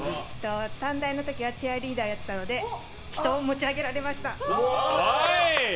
短大の時はチアリーダーやってたので人を持ち上げていました！